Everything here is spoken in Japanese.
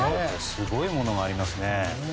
すごいものがありますね。